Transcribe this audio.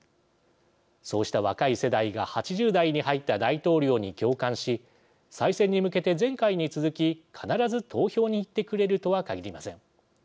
そうした若い世代が８０代に入った大統領に共感し再選に向けて前回に続き必ず投票に行ってくれるとは限りません。